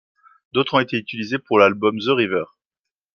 D'autres ont été réutilisées pour l'album The River.